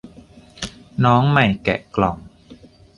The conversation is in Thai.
น้องใหม่แกะกล่อง